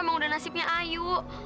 emang udah nasibnya ayu